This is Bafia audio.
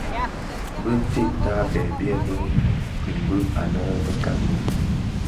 Bintèd tabèè byèbi kimbi anë bekan lè.